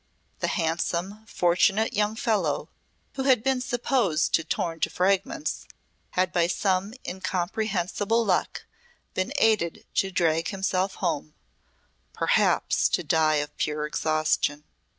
The handsome, fortunate young fellow who had been supposed torn to fragments had by some incomprehensible luck been aided to drag himself home perhaps to die of pure exhaustion.